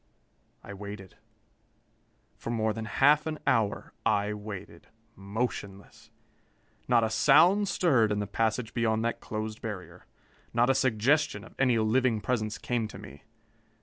I waited. For more than half an hour I waited, motionless. Not a sound stirred in the passage beyond that closed barrier. Not a suggestion of any living presence came to me.